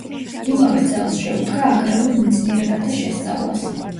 იმავე წელს შეუდგა აგრარულ მეცნიერებათა შესწავლას.